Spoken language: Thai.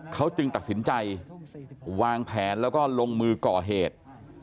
เขาจึงตัดสินใจวางแผนแล้วก็ลงมือก่อเหตุ